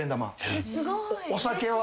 お酒は？